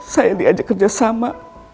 saya diajak kerjasama